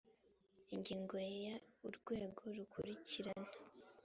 ingingo ya urwego rukurikirana